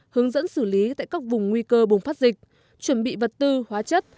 hướng dẫn xử lý tại các vùng nguy cơ bùng phát dịch chuẩn bị vật tư hóa chất